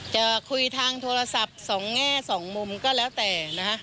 จะคุยทางโทรศัพท์สองแง่สองมุมก็แล้วแต่นะคะ